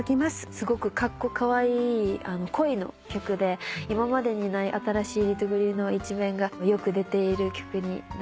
すごくカッコカワイイ恋の曲で今までにない新しいリトグリの一面がよく出ている曲になっています。